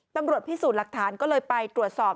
ตำรวจพิสูจน์หลักฐานก็เลยไปตรวจสอบ